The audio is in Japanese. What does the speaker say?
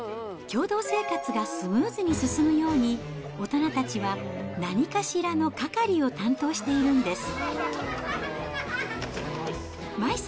共同生活がスムーズに進むように、大人たちは何かしらの係を担当しているんです。